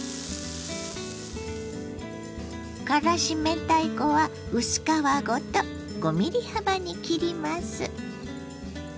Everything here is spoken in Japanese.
からし明太子は薄皮ごと５ｍｍ幅に切ります。